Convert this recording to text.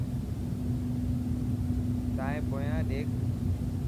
تائن پونيان ڏيک.